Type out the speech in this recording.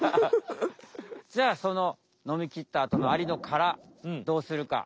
じゃあそののみきったあとのアリのからどうするか。